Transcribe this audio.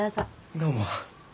どうも。